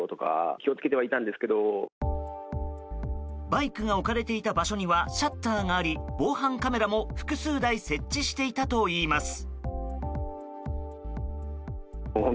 バイクが置かれていた場所にはシャッターがあり防犯カメラも複数台設置していたといいます。